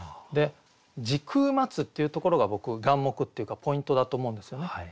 「時空待つ」っていうところが僕眼目っていうかポイントだと思うんですよね。